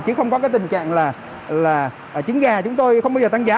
chứ không có cái tình trạng là trứng gà chúng tôi không bao giờ tăng giá